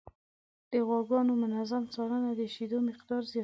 د غواګانو منظم څارنه د شیدو مقدار زیاتوي.